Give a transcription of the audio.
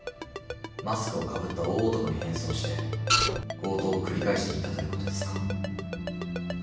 マスクをかぶった大男に変装して強盗を繰り返していたということですか。